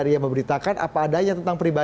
dikenal itu saya ingat